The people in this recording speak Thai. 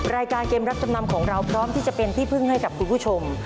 รายการเกมรับจำนำของเราพร้อมที่จะเป็นที่พึ่งให้กับคุณผู้ชม